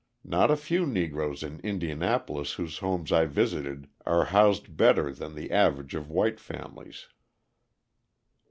Not a few Negroes in Indianapolis whose homes I visited are housed better than the average of white families.